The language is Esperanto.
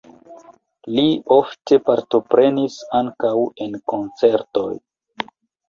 Li ofte partoprenis ankaŭ en koncertoj.